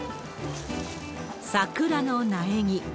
桜の苗木。